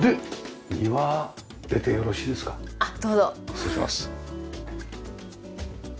失礼します。